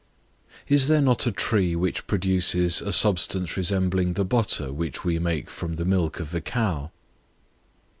Is there not a tree which produces a substance resembling the Butter which we make from the milk of the cow?